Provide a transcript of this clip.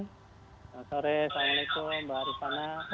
selamat sore assalamualaikum mbak rifana